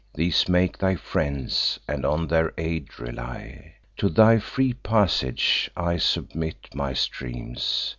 These make thy friends, and on their aid rely. To thy free passage I submit my streams.